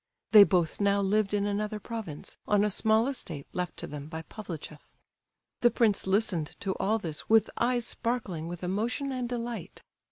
They both now lived in another province, on a small estate left to them by Pavlicheff. The prince listened to all this with eyes sparkling with emotion and delight.